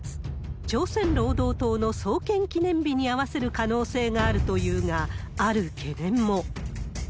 朝鮮労働党の創建記念日に合わせる可能性があるというが、ある懸念も。